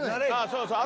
そうそう